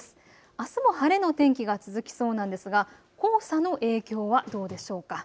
あすも晴れの天気が続きそうなんですが黄砂の影響はどうでしょうか。